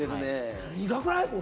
苦くない？